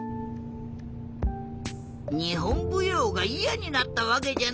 にほんぶようがいやになったわけじゃない。